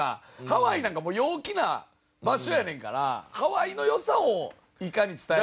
ハワイなんかもう陽気な場所やねんからハワイの良さをいかに伝えるかで。